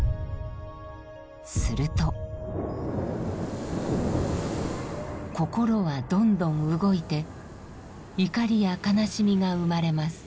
すると心はどんどん動いて怒りや悲しみが生まれます。